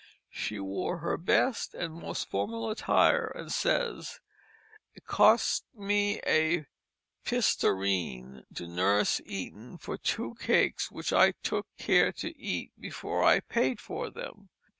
She wore her best and most formal attire and says, "It cost me a pistareen to Nurse Eaton for two cakes which I took care to eat before I paid for them."